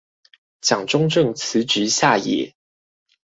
蔣中正辭職下野